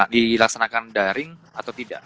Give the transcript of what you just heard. dilaksanakan daring atau tidak